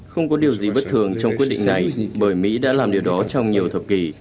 không có điều gì bất thường trong quyết định này bởi mỹ đã làm điều đó trong nhiều thập kỷ